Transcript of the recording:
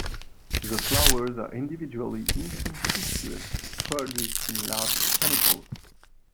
The flowers are individually inconspicuous, produced in large panicles.